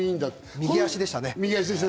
右足でしたね。